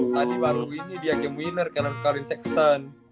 oh tadi baru ini dia game winner karena kalian sextan